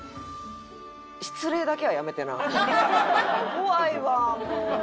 怖いわあもう！